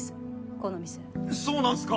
この店そうなんすか？